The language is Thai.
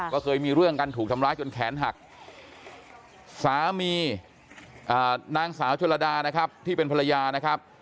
ก็เคยมีเรื่องกันถูกทำร้ายจนแขนหักสามีนางสาวชนระดานะครับที่เป็นภรรยานะครับ